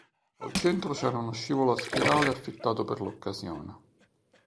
Al centro c'era uno scivolo a spirale affittato per l'occasione.